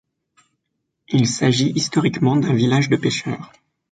Il s'agit historiquement d'un village de pêcheurs.